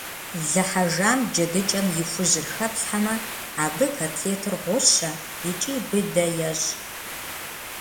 Лы хьэжам джэдыкӀэм и хужьыр хэплъхьэмэ, абы котлетыр гъущэ икӀи быдэ ещӀ.